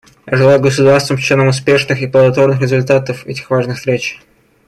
Я желаю государствам-членам успешных и плодотворных результатов этих важных встреч.